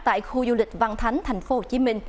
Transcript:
tại khu du lịch văn thánh tp hcm